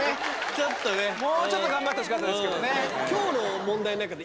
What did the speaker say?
もうちょっと頑張ってほしかったですけどね。